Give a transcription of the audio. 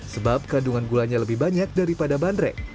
sebab kandungan gulanya lebih banyak daripada bandrek